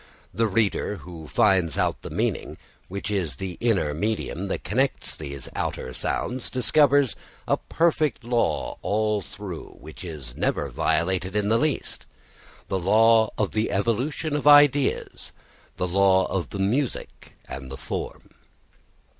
The reader who finds out the meaning, which is the inner medium that connects these outer sounds, discovers a perfect law all through, which is never violated in the least; the law of the evolution of ideas, the law of the music and the form.